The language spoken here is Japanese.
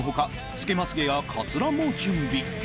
つけまつげやカツラも準備